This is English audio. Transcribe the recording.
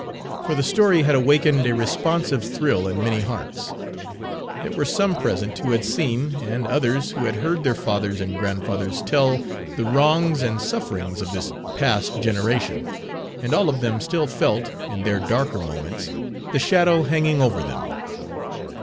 For the story had awakened a responsive thrill in many hearts. There were some present who had seen, and others who had heard their fathers and grandfathers tell, the wrongs and sufferings of this past generation, and all of them still felt, in their darker moments, the shadow hanging over them.